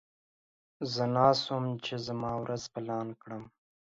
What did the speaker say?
زه ناست وم چې زما ورځ پلان کړم.